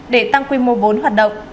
để tăng quy mô vốn hoạt động